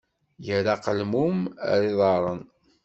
Yerra aqelmun ar iḍaṛṛen!